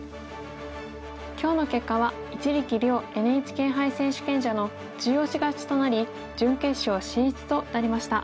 今日の結果は一力遼ＮＨＫ杯選手権者の中押し勝ちとなり準決勝進出となりました。